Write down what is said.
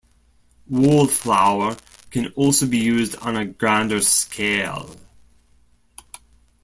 Wallflower can also be used on a grander scale.